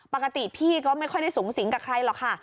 ปกติพี่ก็ไม่ค่อยได้สูงสิงกับใครหรอกค่ะ